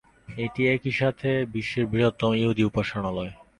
এটি একইসাথে বিশ্বের বৃহত্তম ইহুদি উপাসনালয়।